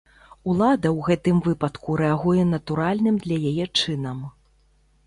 Улада ў гэтым выпадку рэагуе натуральным для яе чынам.